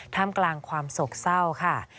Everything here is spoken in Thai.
ท่ามกลางความโศกเศร้าค่ะ